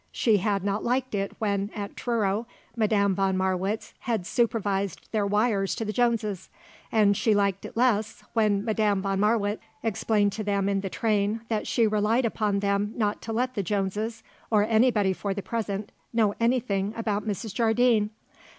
She had not liked it when, at Truro, Madame von Marwitz had supervised their wires to the Jones, and she liked it less when Madame von Marwitz explained to them in the train that she relied upon them not to let the Jones or anybody for the present know anything about Mrs. Jardine.